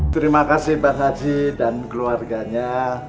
terima kasih pak haji dan keluarganya